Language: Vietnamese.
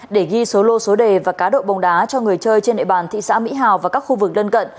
để ghi số lô số đề và cá độ bóng đá cho người chơi trên nệ bàn thị xã mỹ hảo và các khu vực gần gần